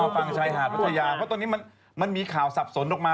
ฝั่งชายหาดพัทยาเพราะตอนนี้มันมีข่าวสับสนออกมา